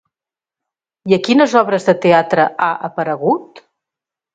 I a quines obres de teatre ha aparegut?